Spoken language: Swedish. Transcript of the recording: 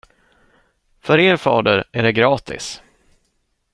För er, fader, är det gratis.